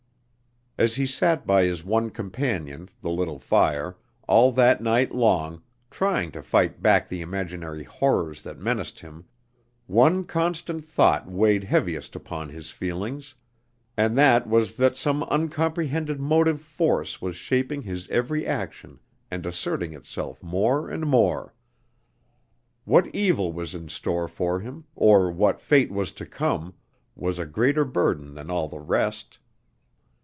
As he sat by his one companion, the little fire, all that long night, trying to fight back the imaginary horrors that menaced him, one constant thought weighed heaviest upon his feelings, and that was that some uncomprehended motive force was shaping his every action and asserting itself more and more. What evil was in store for him, or what fate was to come, was a greater burden than all the rest.